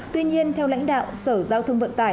tuy nhiên theo lãnh đạo sở giao thông vận tải